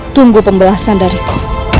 tunggu pembelasan dariku